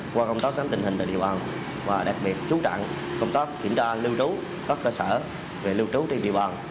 qua công tác giám tình hình tại địa bàn và đặc biệt chú trạng công tác kiểm tra lưu trú các cơ sở về lưu trú trên địa bàn